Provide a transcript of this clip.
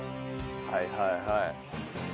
はいはいはい。